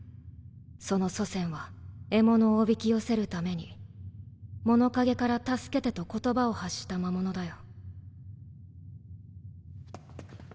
その祖先は人をおびき寄せるために物陰から「助けて」と言葉を発した魔物だよ。